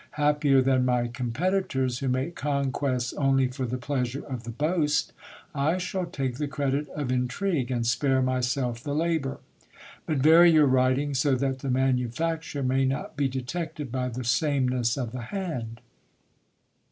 Happier than my competitors, who make conquests only for the pleasure of the boast, I shall take the credit of intrigue, and spare myself the labour. But vary your writing, so that the manufacture may not be detected by the sameness of the hand.